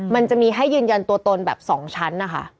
มันจะมีให้ยืนยันตัวตนแบบ๒ชั้นนะคะ